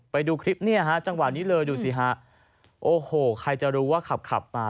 ไปดูคลิปเนี่ยฮะจังหวะนี้เลยดูสิฮะโอ้โหใครจะรู้ว่าขับขับมา